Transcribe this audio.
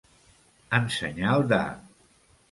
En senyal de.